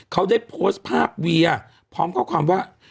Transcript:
เขาได้โพสต์ภาพเวียพร้อมข้อความว่า